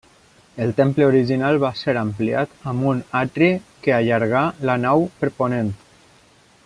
El temple original va ser ampliat amb un atri que allargà la nau per ponent.